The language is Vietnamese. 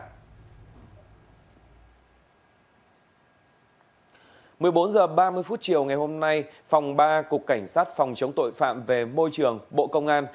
một mươi bốn h ba mươi phút chiều ngày hôm nay phòng ba cục cảnh sát phòng chống tội phạm về môi trường bộ công an